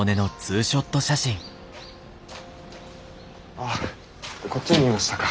ああこっちにいましたか。